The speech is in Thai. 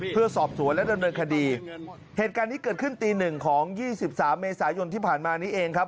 เพื่อสอบสวนและดำเนินคดีเหตุการณ์นี้เกิดขึ้นตีหนึ่งของยี่สิบสามเมษายนที่ผ่านมานี้เองครับ